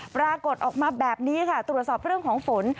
ปรากฏออกมาแบบนี้ค่ะตรวจสอบเรื่องของฝน